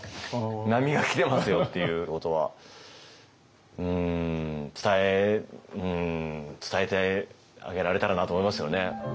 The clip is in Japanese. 波がキてますよっていうことは伝えてあげられたらなと思いますよね。